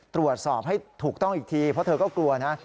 ตรวจสอบให้ถูกต้องอีกทีเพราะเธอก็กลัวนะ